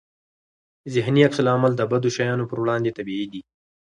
ذهني عکس العمل د بدو شیانو پر وړاندې طبيعي دی.